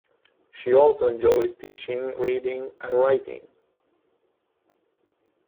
She also enjoys teaching, reading and writing.